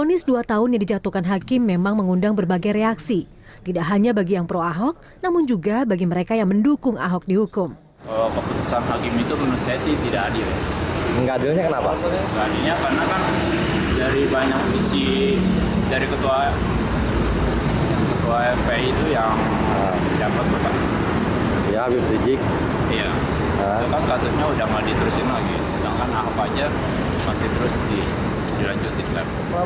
iya itu kan kasusnya udah gak diterusin lagi sedangkan ahok aja masih terus dilanjutkan